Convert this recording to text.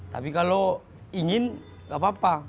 tapi kalau ingin gak papa